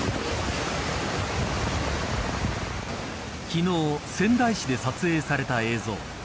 昨日、仙台市で撮影された映像。